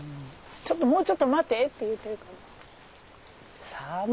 ちょっともうちょっと待てって言うてるかな。